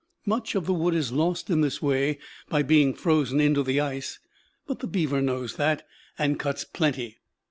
Much of the wood is lost in this way by being frozen into the ice; but the beaver knows that, and cuts plenty.